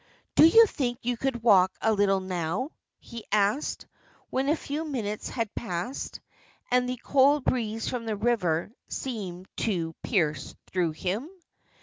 "Do you think you could walk a little now?" he asked, when a few minutes had passed, and the cold breeze from the river seemed to pierce through him.